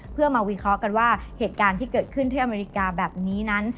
เพื่อมาวิเคราะห์กันว่าเหตุการณ์ที่เกิดขึ้นที่อเมริกาแบบนี้นั้น